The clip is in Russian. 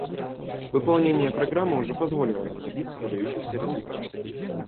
Выполнение программы уже позволило нам добиться выдающихся результатов.